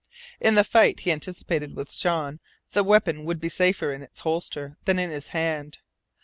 In the fight he anticipated with Jean the weapon would be safer in its holster than in his hand.